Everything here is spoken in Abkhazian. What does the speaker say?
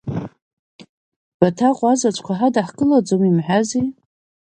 Баҭаҟәа, азаҵәқәа ҳадаҳкылаӡом ҳамҳәази?!